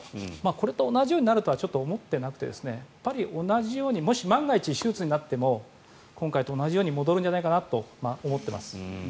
これと同じようになるとは思ってなくて同じようにもし万が一、手術になっても今回と同じように戻るんじゃないかなと思ってます。